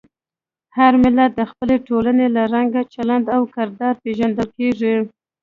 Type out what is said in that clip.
هر ملت د خپلې ټولنې له رنګ، چلند او کردار پېژندل کېږي.